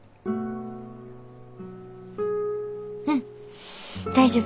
うん大丈夫。